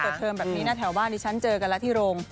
เวลาเปิดเทอมแบบนี้นะแถวบ้านนี้ฉันเจอกันละที่โรง